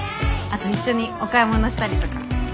あと一緒にお買い物したりとか。